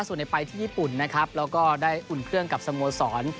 ส่วนไปที่ญี่ปุ่นนะครับแล้วก็ได้อุ่นเครื่องกับสโมสร